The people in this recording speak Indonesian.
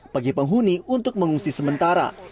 bagi penghuni untuk mengungsi sementara